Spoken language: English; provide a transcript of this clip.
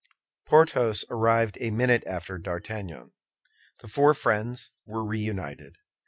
Porthos arrived a minute after D'Artagnan. The four friends were reunited.